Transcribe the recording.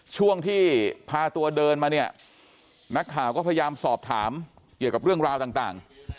ช่วงที่พาตัวเดินมาเนี่ยนักข่าวก็พยายามสอบถามเกี่ยวกับเรื่องราวต่าง